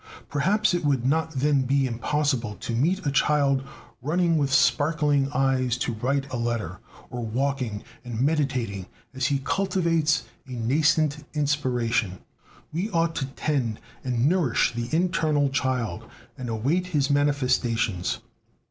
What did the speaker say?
Perhaps it would not then be impossible to meet a child running with sparkling eyes to write a letter, or walking and meditating as he cultivates a nascent inspiration. We ought to tend and nourish the internal child, and await his manifestations.